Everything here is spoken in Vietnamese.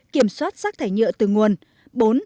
ba kiểm soát rác thải nhựa từ nguồn